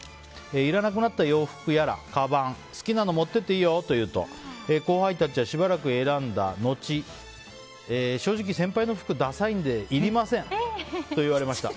いらなくなった洋服やら、かばん好きなの持って行っていいよと言うと後輩たちはしばらく選んだ後正直先輩の服ださいので、いりませんと言われました。